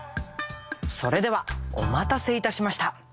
それではお待たせいたしました。